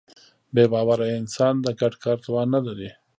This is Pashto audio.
بېباوره انسان د ګډ کار توان نهلري.